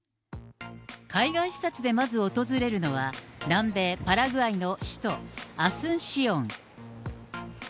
海外視察でまず訪れるのは、南米パラグアイの首都アスンシオン。